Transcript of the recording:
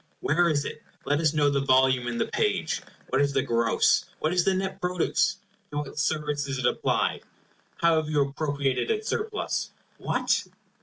Where is it? Let us know the volume and the page. What is the gross, what is the net produce? To what service is it applied? How have you appropriated its surplus? What!